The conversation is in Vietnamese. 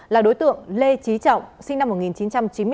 là đối tượng lê trí trọng sinh năm hai nghìn bốn